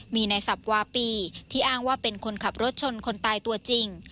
มีในสับวาปีที่อ้างว่าเป็นคนขับรถชนคนตายตัวจริง